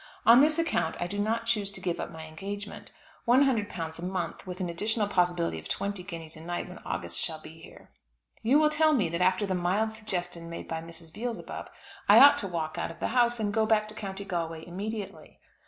On this account I do not choose to give up my engagement £100 a month, with an additional possibility of twenty guineas a night when August shall be here. You will tell me that after the mild suggestion made by Mrs. Beelzebub, I ought to walk out of the house, and go back to County Galway immediately.